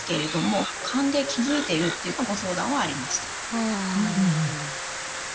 はなるほど。